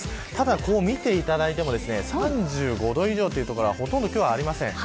ただ見ていただいても３５度以上という所はほとんど今日はありません。